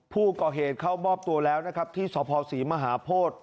ผู้ก่อเหตุเข้ามอบตัวแล้วนะครับที่สภศรีมหาโพธิ